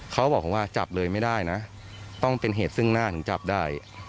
เขาบอกว่าจับเลยไม่ได้นะต้องเป็นเหตุซึ่งหน้าถึงจับได้